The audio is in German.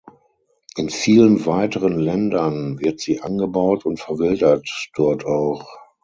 In vielen weiteren Ländern wird sie angebaut und verwildert dort auch.